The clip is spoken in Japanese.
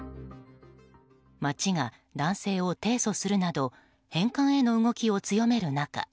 町が男性を提訴するなど返還への動きを強める中